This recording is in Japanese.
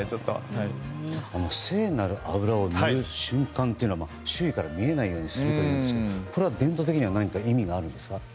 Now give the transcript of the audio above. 聖なる油を塗る瞬間は周囲から見えないようにするということですが伝統的に何か意味はあるんですか。